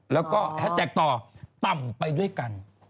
แล้วก็แฮชแท็กต่อต่ำไปด้วยกัน